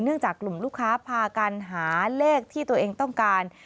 จากกลุ่มลูกค้าพากันหาเลขที่ตัวเองต้องการ